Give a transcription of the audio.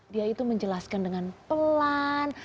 dia itu menjelaskan dengan pelan